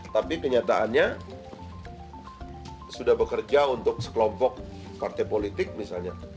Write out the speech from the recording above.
tapi kenyataannya sudah bekerja untuk sekelompok partai politik misalnya